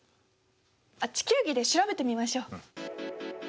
あっ地球儀で調べてみましょう。